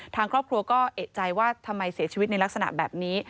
ทางครอบครัวก็เอกใจว่าทำไมเสียชีวิตในลักษณะแบบนี้